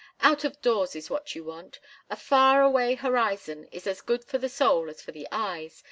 Out of doors is what you want; a far away horizon is as good for the soul as for the eyes.